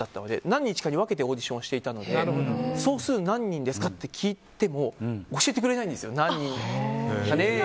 何日かに分けてオーディションをしていたので総数何人ですかって聞いても教えてくれないんですよ。